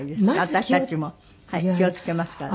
私たちも気を付けますから。